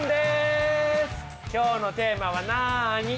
今日のテーマはなに？